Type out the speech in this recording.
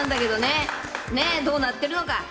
どうなってるのか。